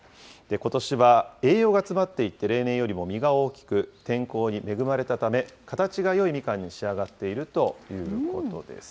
ことしは栄養が詰まっていて、例年よりも実が大きく、天候に恵まれたため、形がよいみかんに仕上がっているということです。